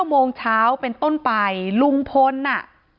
โมงเช้าเป็นต้นไปลุงพลน่ะ